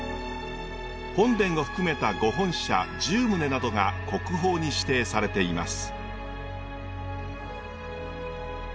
本殿を含めた御本社１０棟などが国宝に指定されています。